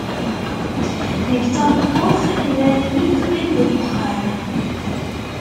Nekk d tameṭṭut, nnan-iyi-d qqim deg uxxam.